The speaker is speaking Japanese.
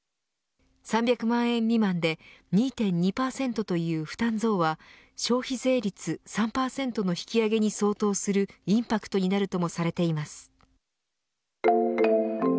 ３００万円未満で２．２％という負担増は消費税率３％の引き上げに相当するインパクトになるともされています。